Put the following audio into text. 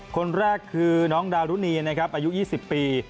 คนแรกคือน้องดารุณีนะครับอายุ๒๐ปี